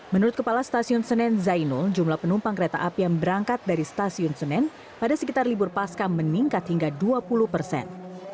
menurut kepala stasiun senen zainul jumlah penumpang kereta api yang berangkat dari stasiun senen pada sekitar libur pasca meningkat hingga dua puluh persen